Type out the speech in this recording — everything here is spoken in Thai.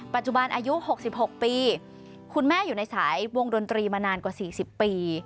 ปัจจุบันอายุหกสิบหกปีคุณแม่อยู่ในสายวงดนตรีมานานกว่าสี่สิบปี